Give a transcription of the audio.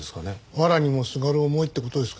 わらにもすがる思いって事ですかね。